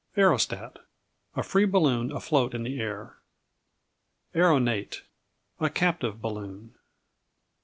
Aerostat A free balloon afloat in the air. Aeronate A captive balloon.